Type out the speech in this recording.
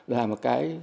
là một cái